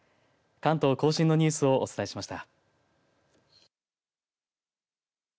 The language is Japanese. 関東甲信のニュースをお伝えしました。